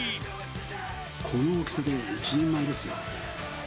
この大きさで１人前ですよ。